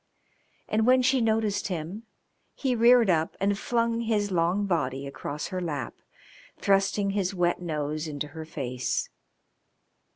And when she noticed him he reared up and flung his long body across her lap, thrusting his wet nose into her face.